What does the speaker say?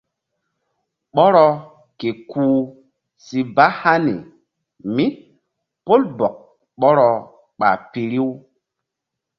Ɓɔrɔ ke kuh si ba hani mí pol bɔk ɓɔrɔ ɓa piru.